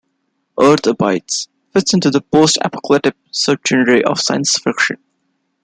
"Earth Abides" fits into the "post-apocalyptic" subgenre of science fiction.